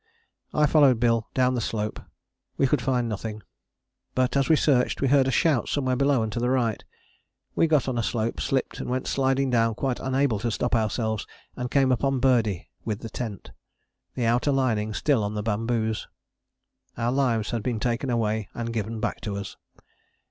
I followed Bill down the slope. We could find nothing. But, as we searched, we heard a shout somewhere below and to the right. We got on a slope, slipped, and went sliding down quite unable to stop ourselves, and came upon Birdie with the tent, the outer lining still on the bamboos. Our lives had been taken away and given back to us.